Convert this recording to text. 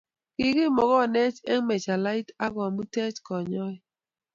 Kikimogonech eng machelait ak komuteech kanyoiik.